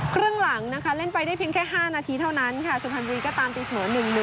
ครึ่งหลังเล่นไปได้เพียงแค่๕นาทีเท่านั้นสุภัณฑ์บริก็ตามตีเสมอ๑๑